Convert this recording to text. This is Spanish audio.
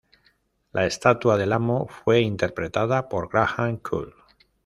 La estatua del Amo fue interpretada por Graham Cole.